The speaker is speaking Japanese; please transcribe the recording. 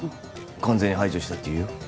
完全に排除したって言うよ？